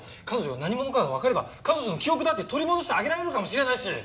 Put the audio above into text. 彼女が何者かがわかれば彼女の記憶だって取り戻してあげられるかもしれないし。